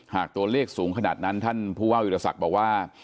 หากตัวเลขสูงขนาดนั้นท่านผู้ว่าวิทยาศักดิ์บอกว่า